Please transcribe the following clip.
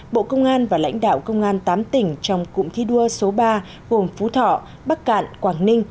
bộ công an và lãnh đạo công an tám tỉnh trong cụm thi đua số ba gồm phú thọ bắc cạn quảng ninh